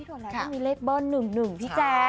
โอ้ยมีเลขเบิ้ล๑๑พี่แจ๋